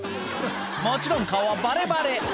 もちろん顔はバレバレ